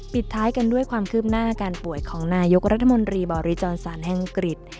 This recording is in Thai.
ปิดท้ายกันด้วยความคืบหน้าอาการป่วยของนายกรัฐมนตรีบริจรสารแห่งอังกฤษ